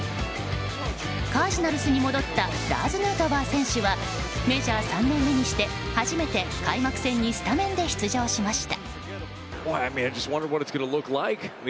カージナルスに戻ったラーズ・ヌートバー選手はメジャー３年目にして初めて開幕戦にスタメンで出場しました。